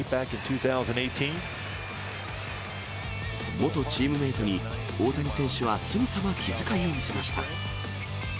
元チームメートに、大谷選手はすぐさま気遣いを見せました。